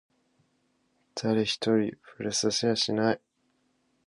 誰一人触れさせやしない